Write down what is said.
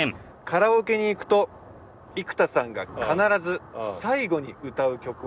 カラオケに行くと生田さんが必ず最後に歌う曲はなんでしょう？